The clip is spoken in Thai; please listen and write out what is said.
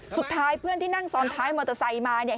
เพื่อนที่นั่งซ้อนท้ายมอเตอร์ไซค์มาเนี่ย